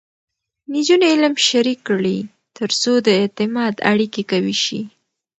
نجونې علم شریک کړي، ترڅو د اعتماد اړیکې قوي شي.